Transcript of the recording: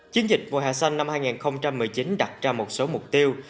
chiến dịch mùa hè xanh năm hai nghìn một mươi chín đặt ra một số mục tiêu